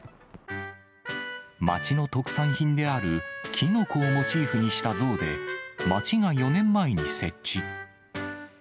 町の特産品であるきのこをモチーフにした像で、町が４年前に設置。